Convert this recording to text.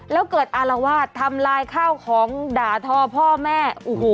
แล้วเกิดอารวาสทำลายข้าวของด่าทอพ่อแม่โอ้โห